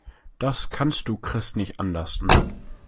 Das kannst du Chris nicht anlasten.